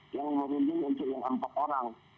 yang merunding untuk yang empat orang